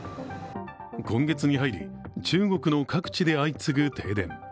今月に入り、中国の各地で相次ぐ停電。